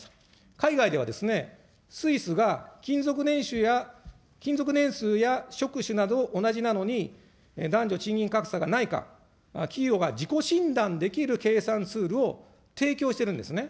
海外では、スイスが勤続年数や職種など同じなのに、男女賃金格差がないか、企業が自己診断できる計算ツールを提供してるんですね。